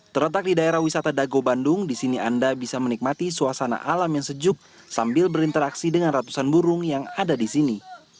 terletak di daerah wisata dago bandung di sini anda bisa menikmati suasana alam yang sejuk sambil berinteraksi dengan ratusan burung yang ada di sini